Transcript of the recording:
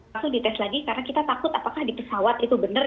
langsung dites lagi karena kita takut apakah di pesawat itu benar